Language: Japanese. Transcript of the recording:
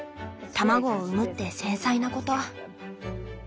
卵を産むって繊細なこと。